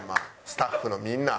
スタッフのみんな。